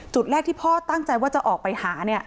จุดแรกที่พ่อตั้งใจว่าจะออกไปหาเนี่ย